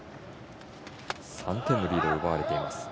３点のリードをつけられています。